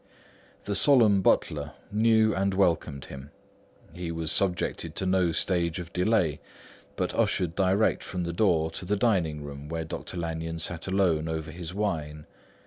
The solemn butler knew and welcomed him; he was subjected to no stage of delay, but ushered direct from the door to the dining room where Dr. Lanyon sat alone over his wine.